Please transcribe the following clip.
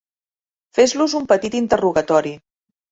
Fes-los un petit interrogatori.